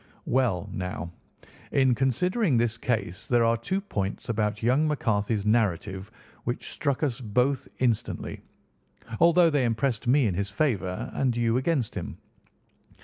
"Well, now, in considering this case there are two points about young McCarthy's narrative which struck us both instantly, although they impressed me in his favour and you against him.